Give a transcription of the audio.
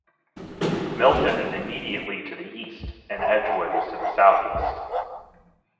Milton is immediately to the east and Edgewood is to the southeast.